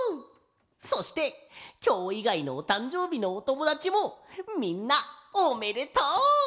そしてきょういがいのおたんじょうびのおともだちもみんなおめでとう！